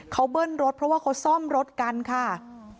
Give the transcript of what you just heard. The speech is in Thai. เขาเบิ้ลรถเพราะว่าเขาซ่อมรถกันค่ะ